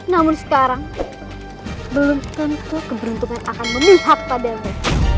namun sekarang belum tentu keberuntungan akan memihak padamu